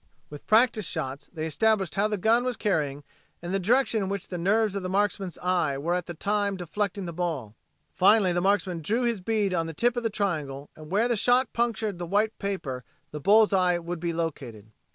With practice shots they established how the gun was carrying and the direction in which the nerves of the marksman's eye were at the time deflecting the ball. Finally the marksman drew his bead on the tip of the triangle and where the shot punctured the white paper the bull's eye would be located.